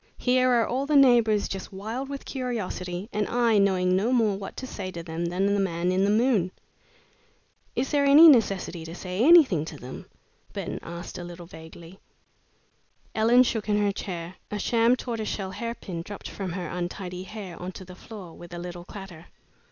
Here are all the neighbors just wild with curiosity, and I knowing no more what to say to them than the man in the moon." "Is there any necessity to say anything to them?" Burton asked, a little vaguely. Ellen shook in her chair. A sham tortoise shell hairpin dropped from her untidy hair on to the floor with a little clatter.